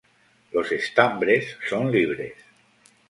Los estambres son libres.